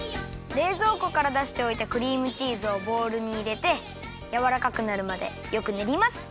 れいぞうこからだしておいたクリームチーズをボウルにいれてやわらかくなるまでよくねります。